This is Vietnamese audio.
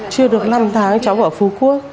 chưa được năm tháng cháu ở phú quốc